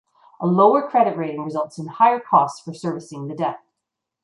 A lower credit rating results in higher costs for servicing the debt.